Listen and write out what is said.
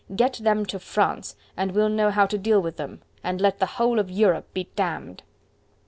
Get them to France, and we'll know how to deal with them, and let the whole of Europe be damned."